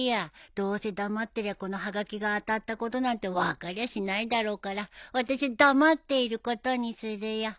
どうせ黙ってりゃこのはがきが当たったことなんて分かりゃしないだろうからわたしゃ黙っていることにするよ。